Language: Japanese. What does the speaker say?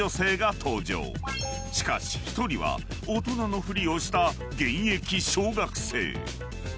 ［しかし１人は大人のふりをした現役小学生］